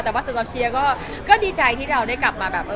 แต่ว่าสำหรับเชียร์ก็ดีใจที่เราได้กลับมาแบบ